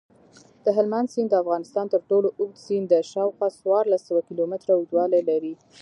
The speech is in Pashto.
دهلمند سیند دافغانستان ترټولو اوږد سیند دی شاوخوا څوارلس سوه کیلومتره اوږدوالۍ لري.